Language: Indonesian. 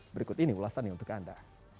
berikut ini ulasannya untuk anda